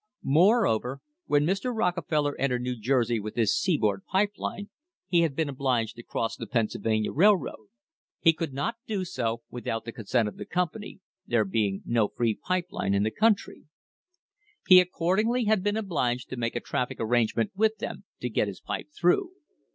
Moreover, when Mr. Rockefeller entered New Jersey with his seaboard pipe line, he had been obliged to cross the Penn sylvania Railroad. He could not do so without the consent of the company, there being no free pipe line in the country. He accordingly had been obliged to make a traffic arrange ment with them to get his pipe through.